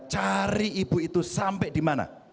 cari ibu itu sampai di mana